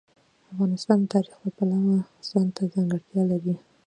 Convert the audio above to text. افغانستان د تاریخ د پلوه ځانته ځانګړتیا لري.